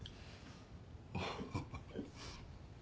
ハハハハ。